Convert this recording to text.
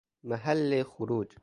محل خروج